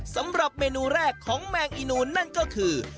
สำหรับเมนูแรกของแมงอีนูนนั่นก็คือ